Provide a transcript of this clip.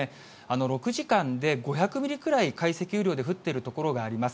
６時間で５００ミリくらい、解析雨量で降ってる所があります。